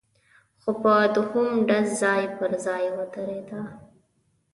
خو په دوهم ډز ځای پر ځای ودرېده،